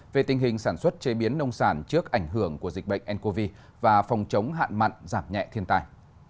về tình hình sản xuất chế biến nông sản trước ảnh hưởng của dịch bệnh ncov và phòng chống hạn mặn giảm nhẹ thiên tài